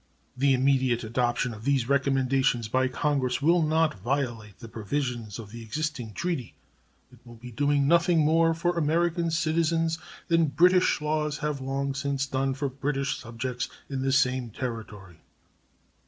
The immediate adoption of these recommendations by Congress will not violate the provisions of the existing treaty. It will be doing nothing more for American citizens than British laws have long since done for British subjects in the same territory.